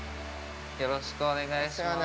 ◆よろしくお願いします。